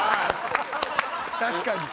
確かに。